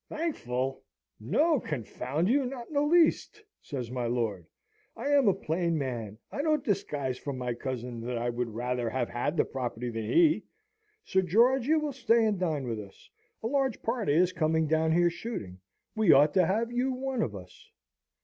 "Thankful? No, confound you. Not in the least!" says my lord. "I am a plain man; I don't disguise from my cousin that I would rather have had the property than he. Sir George, you will stay and dine with us. A large party is coming down here shooting; we ought to have you one of us!"